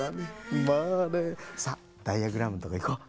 さっダイヤグラムのとこいこう。